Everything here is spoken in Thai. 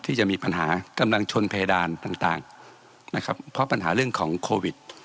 ที่จะมีปัญหากำลังชนเพดานต่างต่างนะครับเพราะปัญหาเรื่องของโควิด